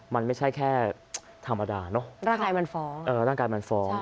มันไม่ใช่แค่ธรรมดาเนอะร่างกายมันฟ้อง